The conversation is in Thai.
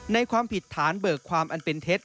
ความผิดฐานเบิกความอันเป็นเท็จ